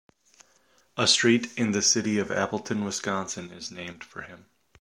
A street in the city of Appleton, Wisconsin is named for him.